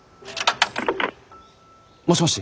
もしもし？